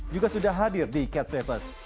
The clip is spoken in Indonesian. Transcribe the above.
juga sudah hadir di catch play plus